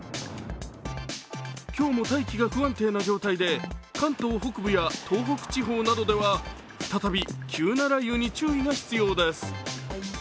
今日も大気が不安定な状態で関東北部や東北地方などでは再び、急な雷雨に注意が必要です。